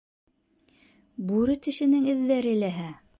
Бүре тешенең эҙҙәре ләһә.